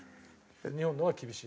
日本の方が厳しい。